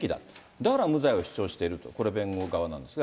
だから無罪を主張していると、これ、弁護側なんですが。